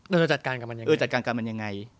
เราจะจัดการกับมันยังไง